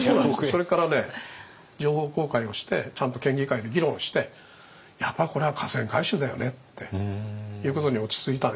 それからね情報公開をしてちゃんと県議会で議論してやっぱりこれは河川改修だよねっていうことに落ち着いた。